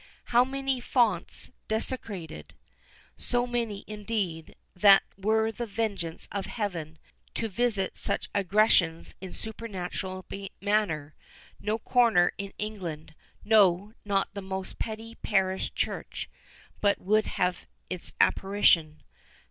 How many fonts desecrated? So many indeed, that were the vengeance of Heaven to visit such aggressions in a supernatural manner, no corner in England, no, not the most petty parish church, but would have its apparition.